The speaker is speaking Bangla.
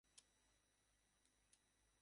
ডেইন, পালাও!